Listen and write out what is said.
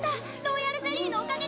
ロイヤルゼリーのおかげです。